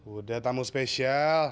udah tamu spesial